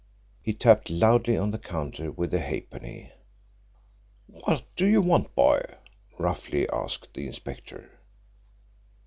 He tapped loudly on the counter with a halfpenny. "What do you want, boy?" roughly asked the inspector.